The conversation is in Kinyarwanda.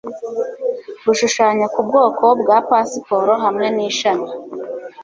Gushushanya ku bwoko bwa pasiporo hamwe nishami